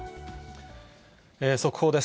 速報です。